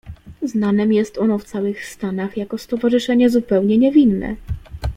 "Znanem jest ono w całych Stanach, jako stowarzyszenie zupełnie niewinne."